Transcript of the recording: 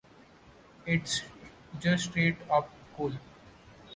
It's just straight-up cool.